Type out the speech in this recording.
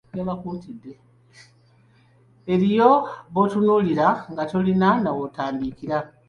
Eriyo b'otunuulira nga tolina naw'omutandikira.